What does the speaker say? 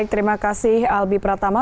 terima kasih albi pratama